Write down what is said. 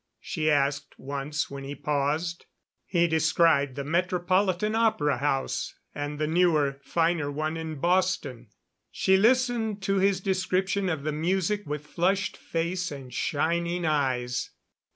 she asked once when he paused. He described the Metropolitan Opera House, and the newer, finer one in Boston. She listened to his description of the music with flushed face and shining eyes.